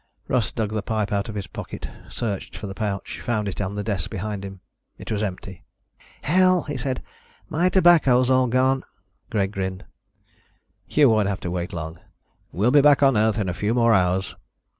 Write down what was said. Russ dug the pipe out of his pocket, searched for the pouch, found it on the desk behind him. It was empty. "Hell," he said, "my tobacco's all gone." Greg grinned. "You won't have to wait long. We'll be back on Earth in a few more hours."